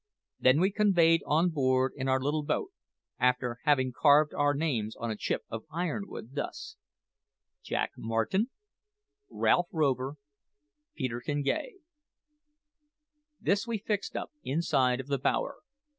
These we conveyed on board in our little boat, after having carved our names on a chip of iron wood, thus: JACK MARTIN RALPH ROVER PETERKIN GAY This we fixed up inside of the bower.